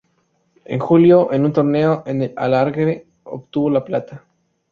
En julio, en un torneo en el Algarve, obtuvo la plata.